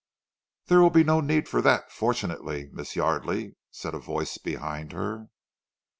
"There will be no need for that, fortunately, Miss Yardely!" said a voice behind her.